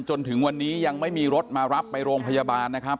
จนถึงวันนี้ยังไม่มีรถมารับไปโรงพยาบาลนะครับ